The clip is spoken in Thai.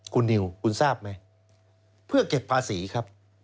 คุณนิวคุณทราบไหมเพื่อเก็บภาษีครับ